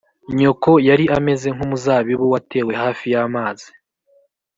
Nyoko yari ameze nk’umuzabibu watewe hafi y’amazi